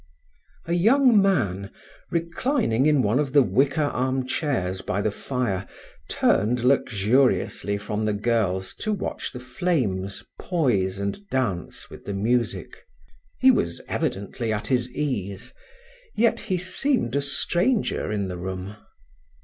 A young man, reclining in one of the wicker arm chairs by the fire, turned luxuriously from the girls to watch the flames poise and dance with the music. He was evidently at his ease, yet he seemed a stranger in the room.